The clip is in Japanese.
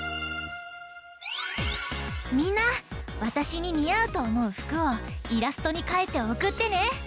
みんなわたしににあうとおもうふくをイラストにかいておくってね！